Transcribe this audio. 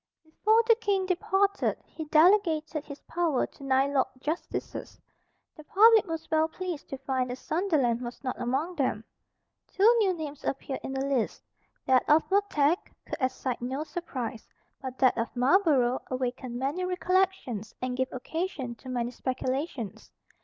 Before the King departed he delegated his power to nine Lords Justices. The public was well pleased to find that Sunderland was not among them. Two new names appeared in the list. That of Montague could excite no surprise. But that of Marlborough awakened many recollections and gave occasion to many speculations.